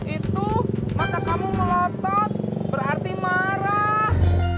itu mata kamu melotot berarti marah